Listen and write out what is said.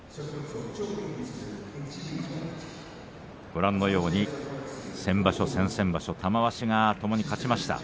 ご覧のように先場所、先々場所玉鷲がともに勝ちました。